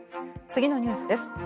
次のニュースです。